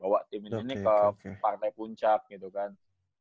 bawa tim ini ke partai puncak gitu kan